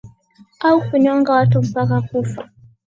au kunyonga watu mpaka kufa